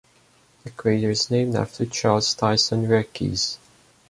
The crater is named after Charles Tyson Yerkes.